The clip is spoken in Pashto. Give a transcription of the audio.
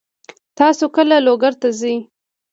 تاسو کله لوګر ته ځئ؟